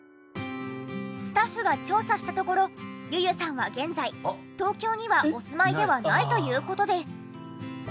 スタッフが調査したところｙｕ−ｙｕさんは現在東京にはお住まいではないという事で。